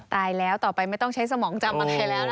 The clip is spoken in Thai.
ตายแล้วต่อไปไม่ต้องใช้สมองจำอะไรแล้ว